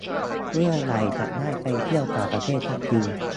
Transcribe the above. เมื่อไรจะได้ไปเที่ยวต่างประเทศสักที